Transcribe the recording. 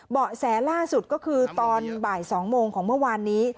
เบาะแสล่าสุดก็คือตอนบ่าย๒โมงของเมื่อวานนี้